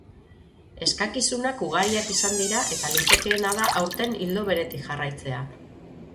Eskakizunak ugariak izan dira eta litekeena da aurten ildo beretik jarraitzea.